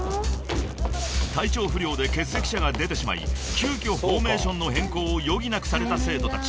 ［体調不良で欠席者が出てしまい急きょフォーメーションの変更を余儀なくされた生徒たち］